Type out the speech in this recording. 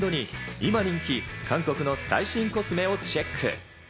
今人気、韓国の最新コスメをチェック。